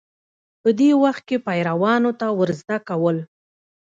په دې وخت کې پیروانو ته ورزده کول